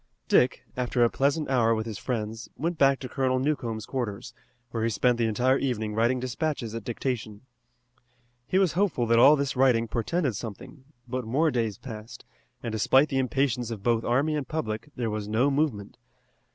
Dick, after a pleasant hour with his friends, went back to Colonel Newcomb's quarters, where he spent the entire evening writing despatches at dictation. He was hopeful that all this writing portended something, but more days passed, and despite the impatience of both army and public, there was no movement.